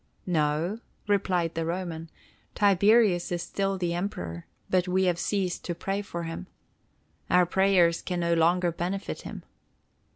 "No," replied the Roman, "Tiberius is still Emperor, but we have ceased to pray for him. Our prayers can no longer benefit him."